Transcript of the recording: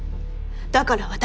だから私が！